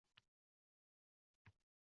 Hammaning ruhiyatiga ijobiy taʼsir qilmoqda